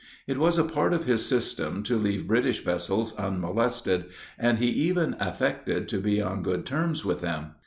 It was a part of his system to leave British vessels unmolested, and he even affected to be on good terms with them.